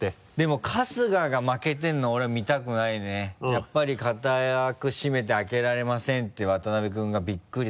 やっぱり硬くしめて開けられませんって渡辺君がびっくりする。